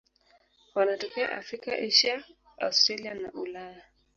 Wanatokea Afrika, Asia, Australia na Ulaya.